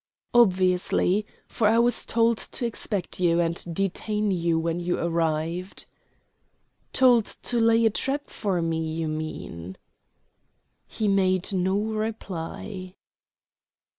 "Obviously, for I was told to expect you, and detain you when you arrived." "Told to lay a trap for me, you mean?" He made no reply.